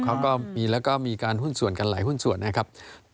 เขาก็มีแล้วก็มีการหุ้นส่วนกันหลายหุ้นส่วนนะครับ